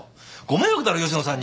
ご迷惑だろ吉野さんに。